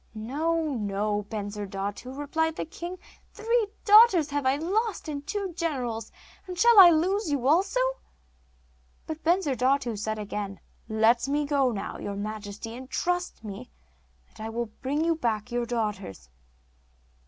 'No, no, Bensurdatu,' replied the king. 'Three daughters have I lost, and two generals, and shall I lose you also?' But Bensurdatu said again: 'Let me now go, your majesty; trust me, and I will bring you back your daughters.